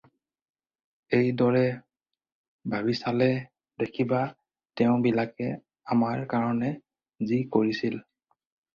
এই দৰে ভাবিচালে দেখিবা তেওঁ বিলাকে আমাৰ কাৰণে যি কৰিছিল